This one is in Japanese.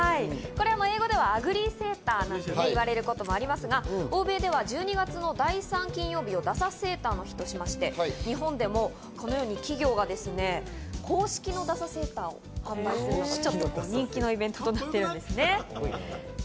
英語ではアグリーセーターなんて言われることもあるんですが欧米では１２月の第３金曜日をダサセーターの日としまして、日本でもこのように企業が公式のダサセーターを販売する、ちょっと人気のイベントとなっております。